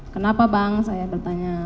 kenapa bang saya bertanya